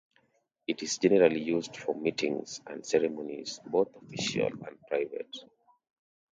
It is generally used for meetings and ceremonies, both official and private.